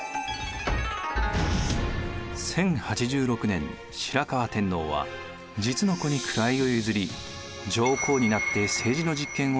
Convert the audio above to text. １０８６年白河天皇は実の子に位を譲り上皇になって政治の実権を握り続けます。